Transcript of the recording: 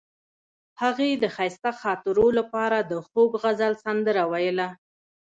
هغې د ښایسته خاطرو لپاره د خوږ غزل سندره ویله.